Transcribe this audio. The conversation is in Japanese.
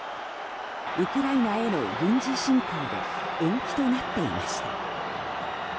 ウクライナへの軍事侵攻で延期となっていました。